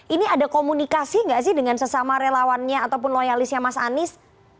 ini ada komunikasi nggak sih dengan sesama relawannya ataupun loyalisnya mas anies